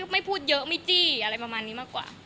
ไม่พูดเยอะไม่จี้อะไรประมาณนี้มากกว่า